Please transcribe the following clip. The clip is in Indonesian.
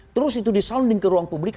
terus itu disounding ke ruang publik